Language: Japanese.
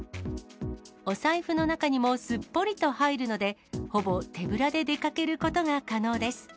お財布の中にもすっぽりと入るので、ほぼ手ぶらで出かけることが可能です。